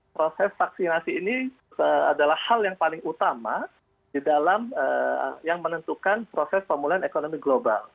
proses vaksinasi ini adalah hal yang paling utama di dalam yang menentukan proses pemulihan ekonomi global